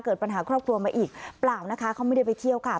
เกิดปัญหาครอบครัวมาอีกเปล่านะคะเขาไม่ได้ไปเที่ยวค่ะ